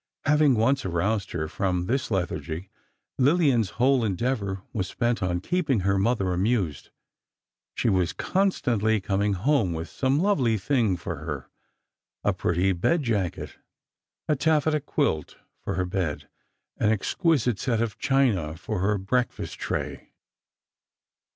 Having once aroused her from this lethargy Lillian's whole endeavor was spent on keeping her mother amused. She was constantly coming home with some lovely thing for her—a pretty bed jacket, a taffeta quilt for her bed, an exquisite set of china for her breakfast tray.